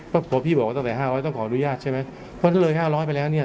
เพราะพอพี่บอกว่าตั้งแต่ห้าร้อยต้องขออนุญาตใช่ไหมเพราะถ้าเลยห้าร้อยไปแล้วเนี่ย